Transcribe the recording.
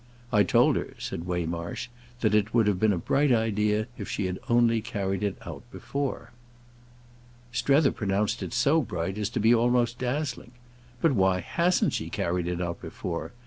"I told her," said Waymarsh, "that it would have been a bright idea if she had only carried it out before." Strether pronounced it so bright as to be almost dazzling. "But why hasn't she carried it out before?